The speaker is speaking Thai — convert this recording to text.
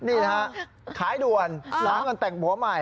นี่นะฮะขายด่วนหาเงินแต่งผัวใหม่